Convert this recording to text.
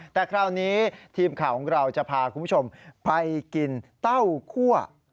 แต่คราวนี้ทีมข่าวของเราจะพาคุณผู้ชมไปกินเต้าคั่ว